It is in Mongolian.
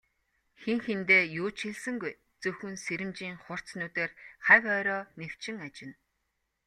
Хэн хэндээ юу ч хэлсэнгүй, зөвхөн сэрэмжийн хурц нүдээр хавь ойроо нэвчин ажна.